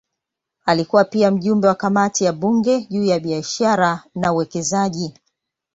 Alikuwa pia mjumbe wa kamati ya bunge juu ya biashara na uwekezaji.